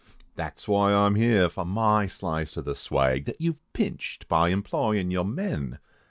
That's whoy I am here, for my slice of the swag, That you've pinched, by employin' your men.